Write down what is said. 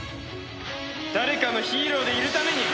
誰かのヒーローでいるために！